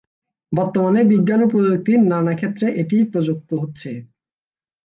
বর্তমানে বিজ্ঞান ও প্রযুক্তির নানা ক্ষেত্রে এটি প্রযুক্ত হচ্ছে।